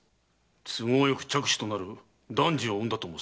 都合よく嫡子となる男児を産んだと申すか？